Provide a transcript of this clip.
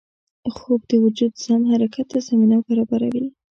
خوب د وجود سم حرکت ته زمینه برابروي